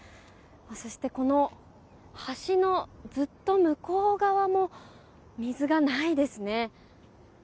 そして、この橋のずっと向こう側も水がないですね。